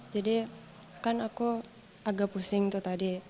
jadi kan aku agak pusing tuh tadi